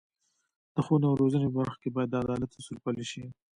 د ښوونې او روزنې په برخه کې باید د عدالت اصول پلي شي.